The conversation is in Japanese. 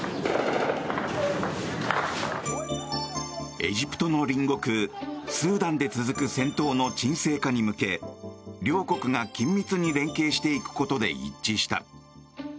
エジプトの隣国スーダンで続く戦闘の沈静化に向け両国が緊密に連携していくことで一致した。